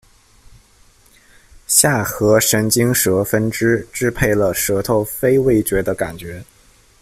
下颌神经舌分支支配了舌头非味觉的感觉